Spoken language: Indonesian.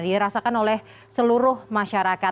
dirasakan oleh seluruh masyarakat